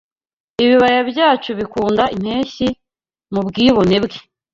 Ibibaya byacu bikunda Impeshyi mubwibone bwe